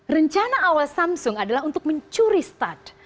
rencana awal samsung adalah untuk mencuri start